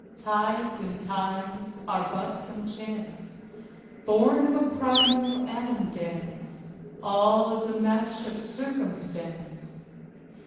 Tides and times are but some chance Born of a primal atom dance. All is a mesh of Circumstance.